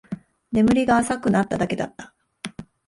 眠りが浅くなっただけだった